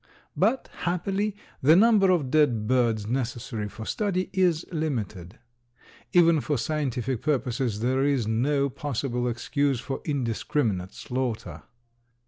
But happily, the number of dead birds necessary for study is limited. Even for scientific purposes there is no possible excuse for indiscriminate slaughter.